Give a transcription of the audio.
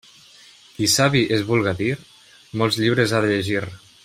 Qui savi es vulga dir, molts llibres ha de llegir.